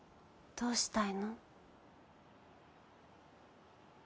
どうしたい？